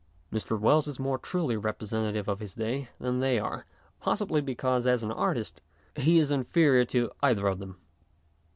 Mr. Wells is more truly representative of his day than they arc, possibly because, as an artist, he is inferior to either of them.